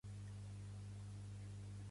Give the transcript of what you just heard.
Pertany al moviment independentista el Yan?